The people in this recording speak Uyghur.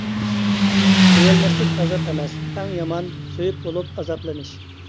سۆيەلمەسلىك ئازاب ئەمەس، ئەڭ يامان، سۆيۈپ بولۇپ ئازابلىنىش.